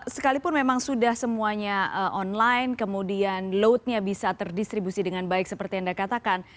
sekalipun memang sudah semuanya online kemudian loadnya bisa terdistribusi dengan baik seperti anda katakan